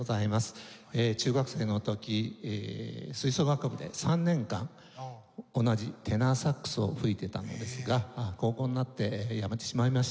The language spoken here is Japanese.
中学生の時吹奏楽部で３年間同じテナーサックスを吹いてたのですが高校になってやめてしまいました。